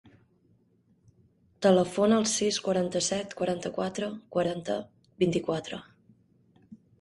Telefona al sis, quaranta-set, quaranta-quatre, quaranta, vint-i-quatre.